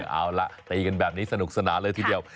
เอาล่ะตีกันแบบนี้สนุกสนานเลยทีเดียว